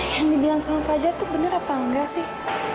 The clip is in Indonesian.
yang dibilang sama fajar itu bener apa nggak sih